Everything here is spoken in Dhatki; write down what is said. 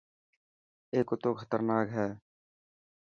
اي ڪتو خطرناڪ هي.